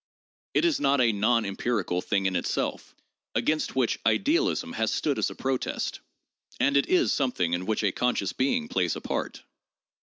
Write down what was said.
It is not a non empirical thing in itself (against which idealism has stood as a protest) ; and it is something in which a con scious being plays a part.